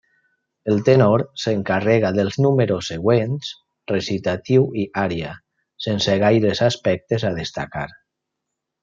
El tenor s'encarrega dels números següents, recitatiu i ària, sense gaires aspectes a destacar.